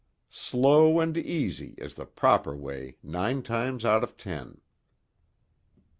Slow and easy is the proper way nine times out of ten.